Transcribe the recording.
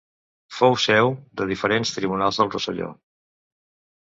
Fou seu de diferents tribunals del Rosselló.